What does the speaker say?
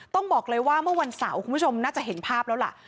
ต้องบอกเลยว่าเมื่อวันเสาร์คุณผู้ชมน่าจะเห็นภาพแล้วล่ะ